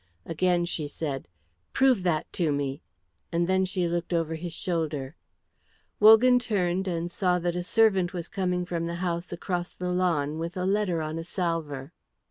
Again she said, "Prove that to me!" and then she looked over his shoulder. Wogan turned and saw that a servant was coming from the house across the lawn with a letter on a salver.